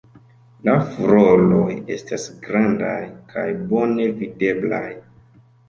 La floroj estas grandaj kaj bone videblaj.